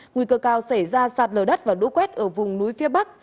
nguy cơ cao xảy ra sạt lở đất và lũ quét ở vùng núi phía bắc